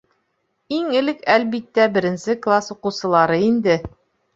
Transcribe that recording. Иң элек, әлбиттә, беренсе класс уҡыусылары инде.